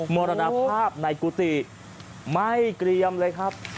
มรณภาพในกุฏิไม่เกรียมเลยครับ